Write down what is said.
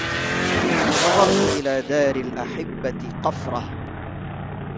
نظرت إلى دار الأحبة قفرة